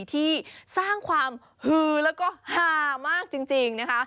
ที่สร้างความฮือแล้วก็ฮามากจริงนะคะ